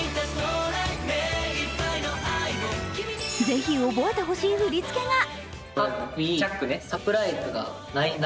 ぜひ覚えてほしい振り付けが。